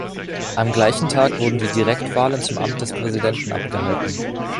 Am gleichen Tag wurden die Direktwahlen zum Amt des Präsidenten abgehalten.